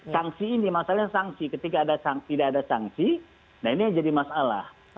sanksi ini masalahnya sanksi ketika tidak ada sanksi nah ini yang jadi masalah